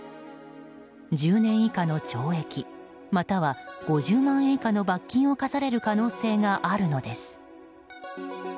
１０年以下の懲役、または５０万円以下の罰金を科される可能性があるのです。